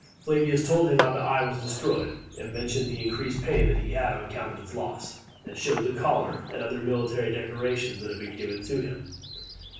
Flavius told him how the eye was destroyed, and mentioned the increased pay that he had on account of its loss, and showed the collar and other military decorations that had been given him.